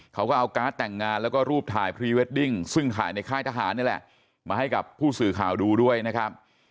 เขาก็เอาการ์ดแต่งงานแล้วก็รูปถ่ายพรีเวดดิ้งซึ่งถ่ายในค่ายทหารนี่แหละมาให้กับผู้สื่อข่าวดูด้วยนะครับ